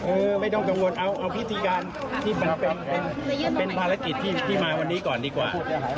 ไม่ต้องกังวลเอาพิธีการที่มันเป็นภารกิจที่มาวันนี้ก่อนดีกว่า